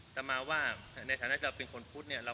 แต่มาว่าในฐานะเราเป็นคนพุทธเนี่ย